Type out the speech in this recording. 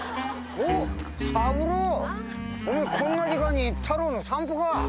おこんな時間にタロウの散歩か？